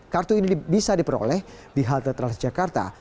kartu ini bisa diperoleh di halte transjakarta